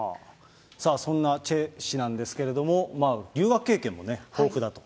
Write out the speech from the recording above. さあそんなチェ氏なんですけれども、留学経験も豊富だと。